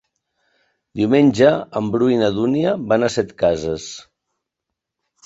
Diumenge en Bru i na Dúnia van a Setcases.